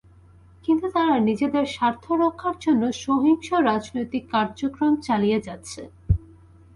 কিন্তু তারা নিজেদের স্বার্থ রক্ষার জন্য সহিংস রাজনৈতিক কার্যক্রম চালিয়ে যাচ্ছে।